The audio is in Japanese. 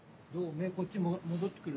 目こっち戻ってくる？